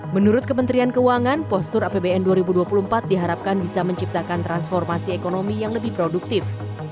menurut kementerian keuangan postur apbn dua ribu dua puluh empat diharapkan bisa menciptakan transformasi ekonomi yang lebih produktif